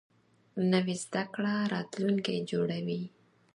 نوې زده کړه راتلونکی جوړوي